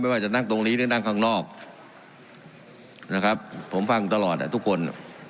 ว่าจะนั่งตรงนี้หรือนั่งข้างนอกนะครับผมฟังตลอดอ่ะทุกคน